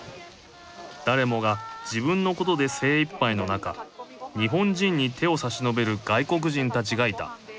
誰もが自分のことで精いっぱいの中日本人に手を差し伸べる外国人たちがいた。